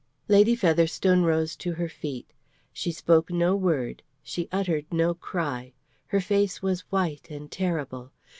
Lady Featherstone rose to her feet. She spoke no word; she uttered no cry; her face was white and terrible.